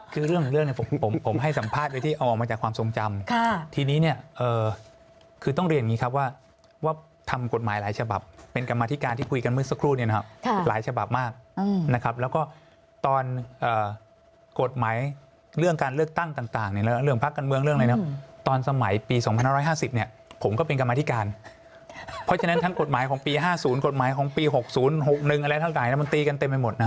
คือเรื่องผมให้สัมภาษณ์ด้วยที่เอาออกมาจากความทรงจำทีนี้เนี่ยคือต้องเรียนอย่างนี้ครับว่าทำกฎหมายหลายฉบับเป็นกรรมธิการที่คุยกันเมื่อสักครู่เนี่ยนะครับหลายฉบับมากนะครับแล้วก็ตอนกฎหมายเรื่องการเลือกตั้งต่างเนี่ยเรื่องพักกันเมืองเรื่องอะไรเนี่ยตอนสมัยปี๒๐๕๐เนี่ยผมก็เป็นกรรมธิการเพราะฉะนั้นท